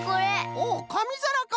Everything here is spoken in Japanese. おおかみざらか。